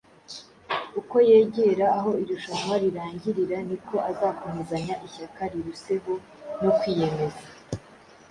uko yegera aho irushanwa rirangirira niko azakomezanya ishyaka riruseho no kwiyemeza